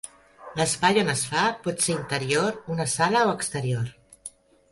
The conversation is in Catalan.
L'espai on es fa pot ser interior, una sala, o exterior.